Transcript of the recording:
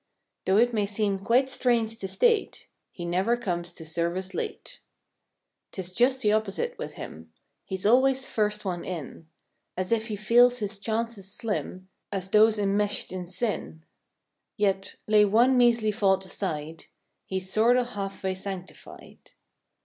Though it may seem quite strange to state. He never comes to service late. 'Tis just the opposite with him. He's always first one in. As if he feels his chances slim As those enmeshed in sin; Yet, lay one measly fault aside. He's sort o' half way sanctified.